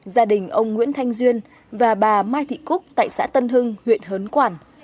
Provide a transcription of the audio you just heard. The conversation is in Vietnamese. gia đình ông nguyễn thanh duyên và bà mai thị cúc tại xã tân hưng huyện hớn quản